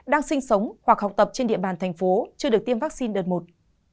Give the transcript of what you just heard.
đang sinh sống hoặc học tập trên địa bàn thành phố chưa được tiêm vaccine đợt một